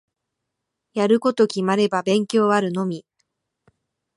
やること決まれば勉強あるのみ。